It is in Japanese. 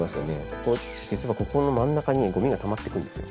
ここ実はここの真ん中にごみがたまっていくんですよ。